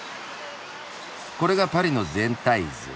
これがパリの全体図。